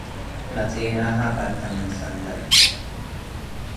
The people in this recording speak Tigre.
ለጹናሀ ቀዴ ምነ ሰንደል